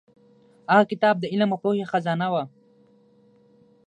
هغه کتاب د علم او پوهې خزانه وه.